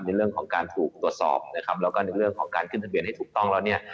ในเรื่องของการถูกตรวจสอบนะครับแล้วก็ในเรื่องของการขึ้นทะเบียนให้ถูกต้องแล้วเนี่ย